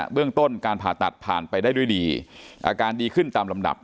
เรื่องต้นการผ่าตัดผ่านไปได้ด้วยดีอาการดีขึ้นตามลำดับ